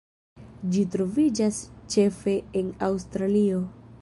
Ĝi troviĝas ĉefe en Aŭstralio.